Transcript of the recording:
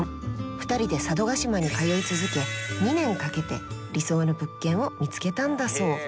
２人で佐渡島に通い続け２年かけて理想の物件を見つけたんだそう。